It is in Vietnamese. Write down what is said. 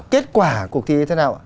kết quả cuộc thi thế nào